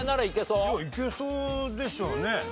いやいけそうでしょうね。